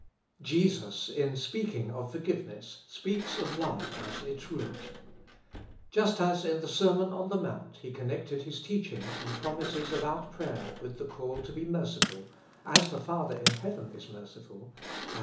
Jesus, in speaking of forgiveness, speaks of love as its root. Just as in the Sermon on the Mount He connected his teaching and promises about prayer with the call to be merciful, as the Father in heaven is merciful (Matt.